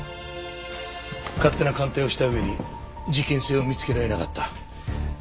勝手な鑑定をした上に事件性を見つけられなかった。